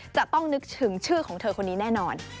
จะต้องนึกถึงชื่อของเธอคนนี้แน่นอน